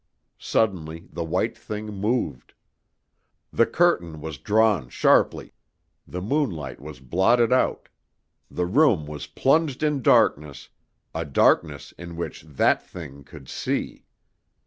Suddenly the white thing moved. The curtain was drawn sharply; the moonlight was blotted out; the room was plunged in darkness a darkness in which that thing could see!